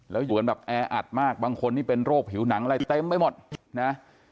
แล้วอยู่กันแบบแออัดมากบางคนนี่เป็นโรคผิวหนังอะไรเต็มไปหมดนะ